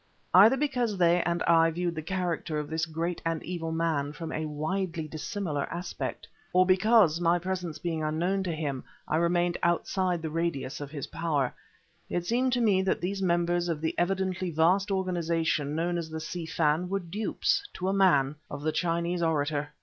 Either because they and I viewed the character of this great and evil man from a widely dissimilar aspect, or because, my presence being unknown to him, I remained outside the radius of his power, it seemed to me that these members of the evidently vast organization known as the Si Fan were dupes, to a man, of the Chinese orator!